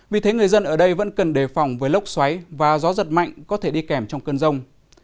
vì thế người dân ở đây vẫn cần đề phòng với lốc xoáy và gió giật mạnh có thể đi kèm trong cơn rông